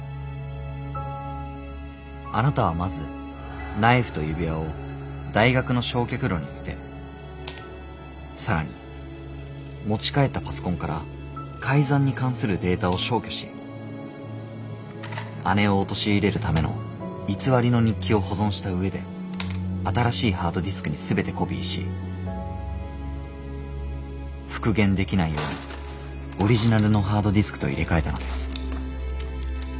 あなたはまずナイフと指輪を大学の焼却炉に捨て更に持ち帰ったパソコンから改ざんに関するデータを消去し姉を陥れるための偽りの日記を保存した上で新しいハードディスクに全てコピーし復元できないようにオリジナルのハードディスクと入れ替えたのです。